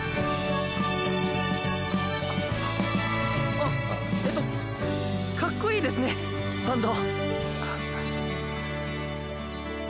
あえっとかっこいいですねバンド。